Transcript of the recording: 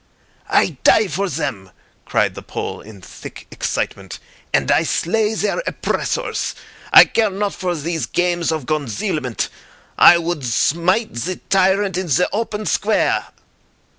"I die for zem," cried the Pole in thick excitement, "and I slay zare oppressors. I care not for these games of gonzealment. I would zmite ze tyrant in ze open square."